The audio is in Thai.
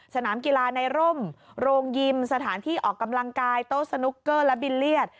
สนามกีฬาในร่มโรงยิมสถานที่ออกกำลังกายโต๊ะสนุกเกอร์และบิลเลียส